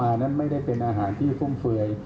อาหารนั้นไม่ได้เป็นอาหารที่ฟุ่มเฟย์